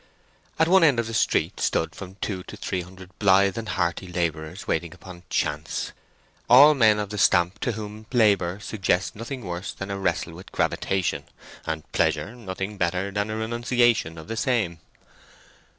At one end of the street stood from two to three hundred blithe and hearty labourers waiting upon Chance—all men of the stamp to whom labour suggests nothing worse than a wrestle with gravitation, and pleasure nothing better than a renunciation of the same.